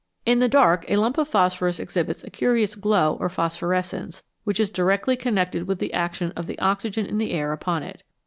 In the dark a lump of phosphorus exhibits a curious glow or phosphorescence, which is directly connected with the action of the oxygen in the air upon it.